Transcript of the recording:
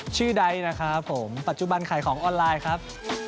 ไดท์นะครับผมปัจจุบันขายของออนไลน์ครับ